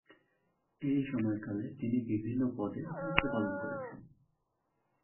এই সময়কালে তিনি বিভিন্ন পদে দায়িত্ব পালন করেছেন।